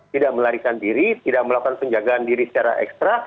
tidak melarikan diri tidak melakukan penjagaan diri secara ekstra